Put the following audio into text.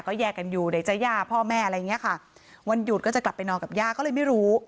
แยกกันอยู่ไหนจะย่าพ่อแม่อะไรอย่างเงี้ยค่ะวันหยุดก็จะกลับไปนอนกับย่าก็เลยไม่รู้